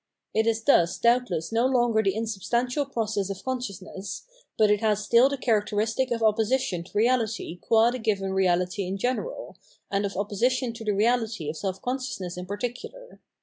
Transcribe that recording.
It is thus doubtless no longer the insubstantial process of con sciousness ; but it has stih the characteristic of opposi tion to reahty qua the given reahty in general, and of opposition to the reahty of self consciousness in par ticular.